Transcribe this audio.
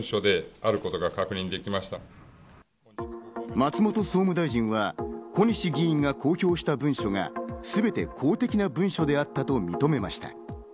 松本総務大臣は小西議員が公表した文書が、全て公的な文書であったと認めました。